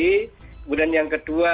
kemudian yang kedua